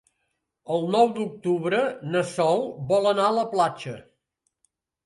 El nou d'octubre na Sol vol anar a la platja.